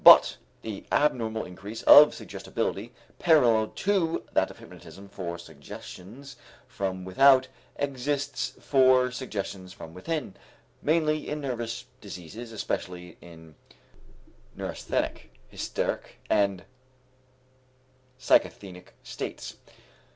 But the abnormal increase of suggestibility parallel to that of hypnotism for suggestions from without exists for suggestions from within, mainly in nervous diseases, especially in neurasthenic, hysteric, and psychasthenic states.